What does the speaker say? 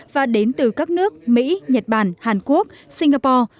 và đến từ các nước mỹ nhật bản hàn quốc singapore